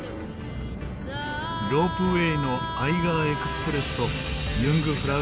ロープウェーのアイガー・エクスプレスとユングフラウ